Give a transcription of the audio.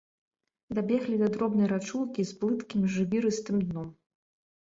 Дабеглі да дробнай рачулкі з плыткім жвірыстым дном.